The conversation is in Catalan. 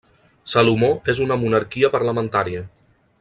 Salomó és una monarquia parlamentària.